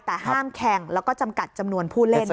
แต่ห้ามแข่งแล้วก็จำกัดจำนวนผู้เล่น